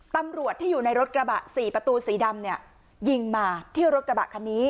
ตำรวจที่อยู่ในรถกระบะสี่ประตูสีดำเนี่ยยิงมาที่รถกระบะคันนี้